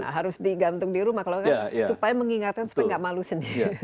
harus digantung di rumah kalau kan supaya mengingatkan supaya nggak malu sendiri